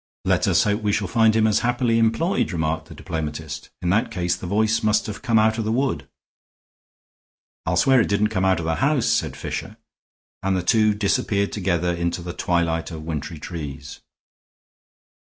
"Let us hope we shall find him as happily employed," remarked the diplomatist. "In that case the voice must have come out of the wood." "I'll swear it didn't come out of the house," said Fisher; and the two disappeared together into the twilight of wintry trees.